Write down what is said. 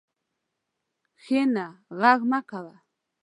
کښېنه، غږ مه کوه.